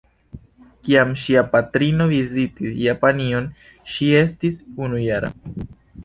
Kiam ŝia patrino vizitis Japanion, ŝi estis unujara.